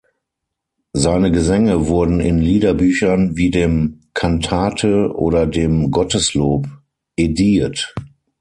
Seine Gesänge wurden in Liederbüchern wie dem "Cantate" oder dem "Gotteslob" ediert.